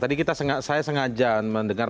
tadi saya sengaja mendengar